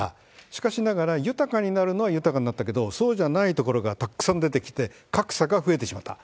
しかしながら、豊かになるのは豊かになったけど、そうじゃないところがたくさん出てきて、格差が増えてしまった。